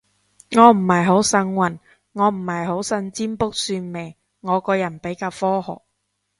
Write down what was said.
我唔係好信運，我唔係好信占卜算命，我個人比較科學